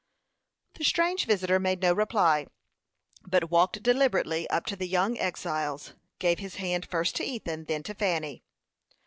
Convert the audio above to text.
The strange visitor made no reply, but walked deliberately up to the young exiles, gave his hand first to Ethan, then to Fanny.